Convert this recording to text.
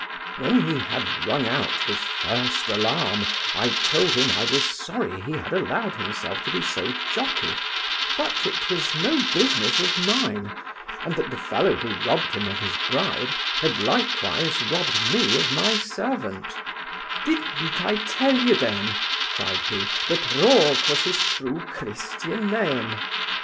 When he had rung out his first alarm, I told him I was sorry he had allowed himself to be so jockied; but it was no business of mine; and that the fellow who robbed him of his bride, had likewise robbed me of my servant 'Didn't I tell you then (cried he) that Rogue was his true Christian name.